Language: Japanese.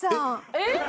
えっ？